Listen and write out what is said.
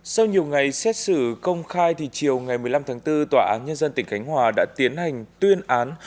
sau nhiều ngày xét xử công khai thì chiều ngày một mươi năm tháng bốn tòa án nhân dân tỉnh khánh hòa đã tiến hành tuyên án